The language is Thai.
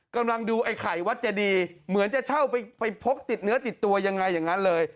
กำลังดูไอ้ไข่วัดเจดีเหมือนจะเช่าไปพกติดเนื้อติดตัวยังไงอย่างนั้นเลย